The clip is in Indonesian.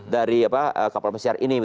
dari kapal mesiar ini